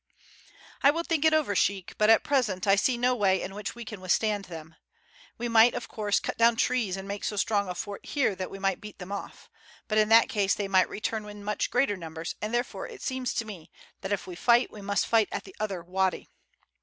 "I will think it over, sheik, but at present I see no way in which we can withstand them. We might, of course, cut down trees and make so strong a fort here that we might beat them off; but in that case they might return in much greater numbers, therefore it seems to me that if we fight we must fight at the other wady."